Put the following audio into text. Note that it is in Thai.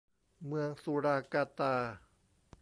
เมืองสุราการ์ตา